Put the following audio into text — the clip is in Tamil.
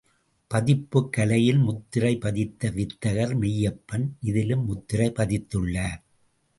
பதிப்புக் கலையில் முத்திரை பதித்த வித்தகர் மெய்யப்பன், இதிலும் முத்திரை பதித்துள்ளார்.